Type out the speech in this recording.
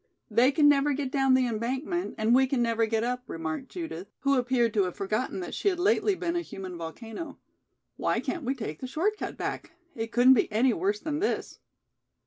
"They can never get down the embankment and we can never get up," remarked Judith, who appeared to have forgotten that she had lately been a human volcano. "Why can't we take the short cut back? It couldn't be any worse than this."